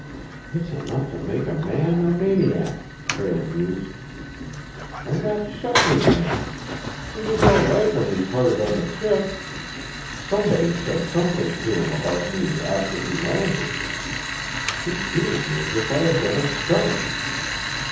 "It's enough to make a man a maniac," Prale mused. "And that Shepley man! He was all right when we parted on the ship. Somebody said something to him about me after he landed. He treated me as if I had been a skunk."